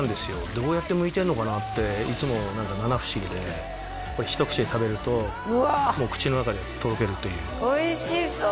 どうやってむいてんのかなっていつも何か七不思議でこれ一口で食べるともう口の中でとろけるというおいしそう！